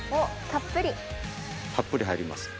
たっぷり入ります。